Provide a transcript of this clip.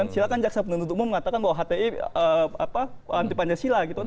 silahkan jaksa pendudukmu mengatakan bahwa ht anti panjasila